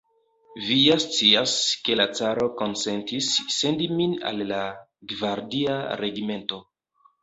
Vi ja scias, ke la caro konsentis sendi min al la gvardia regimento.